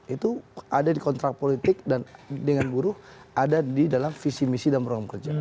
itu ada di kontrak politik dan dengan buruh ada di dalam visi misi dan program kerja